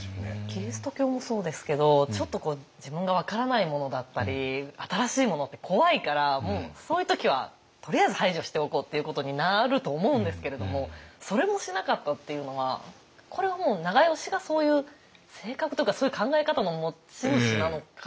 キリスト教もそうですけどちょっと自分が分からないものだったり新しいものって怖いからもうそういう時はとりあえず排除しておこうっていうことになると思うんですけれどもそれもしなかったっていうのはこれはもう長慶がそういう性格とかそういう考え方の持ち主なのか。